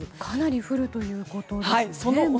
かなり降るということですね。